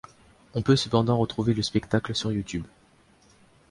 On peut cependant retrouver le spectacle sur Youtube.